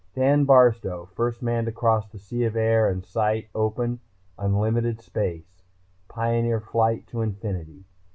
Dan Barstow, first man to cross the sea of air and sight open, unlimited space. Pioneer flight to infinity.